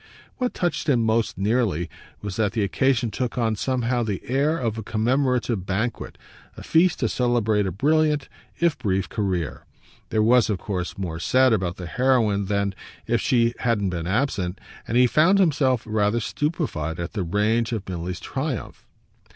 What touched him most nearly was that the occasion took on somehow the air of a commemorative banquet, a feast to celebrate a brilliant if brief career. There was of course more said about the heroine than if she hadn't been absent, and he found himself rather stupefied at the range of Milly's triumph.